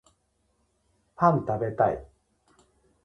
パン食べたい